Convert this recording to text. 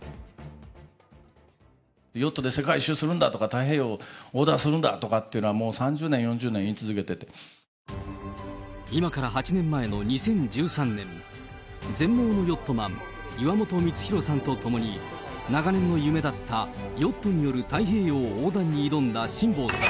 ヨットで世界一周するんだとか、太平洋横断するんだとかっていうのは、もう３０年、今から８年前の２０１３年、全盲のヨットマン、岩本光弘さんと共に、長年の夢だったヨットによる太平洋横断に挑んだ辛坊さん。